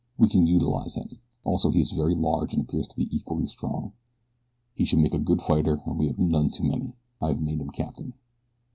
We can utilize him. Also he is very large and appears to be equally strong. He should make a good fighter and we have none too many. I have made him a captain."